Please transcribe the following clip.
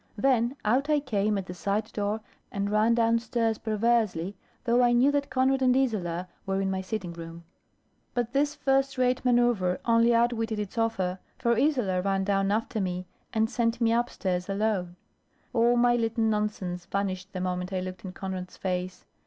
Then out I came at the side door, and ran downstairs perversely, though I knew that Conrad and Isola were in my sitting room. But this first rate manoeuvre only outwitted its author, for Isola ran down after me, and sent me upstairs alone. All my little nonsense vanished the moment I looked in Conrad's face.